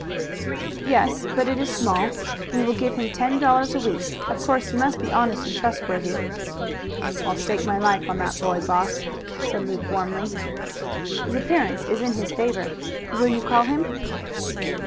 "Yes, but it is small. We will give him ten dollars a week. Of course he must be honest and trustworthy." "I'll stake my life on that boy, boss," said Luke warmly. "His appearance is in his favor. Will you call him?"